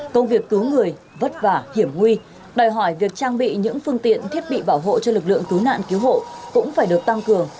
công việc cứu người vất vả hiểm nguy đòi hỏi việc trang bị những phương tiện thiết bị bảo hộ cho lực lượng cứu nạn cứu hộ cũng phải được tăng cường